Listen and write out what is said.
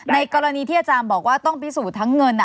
ในกรณีที่อาจารย์บอกว่าต้องพิสูจน์ทั้งเงิน